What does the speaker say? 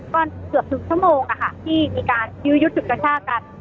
ก็เกือบถึงชั่วโมงอะค่ะที่มีการยืดยุทธ์สุขชาติกัน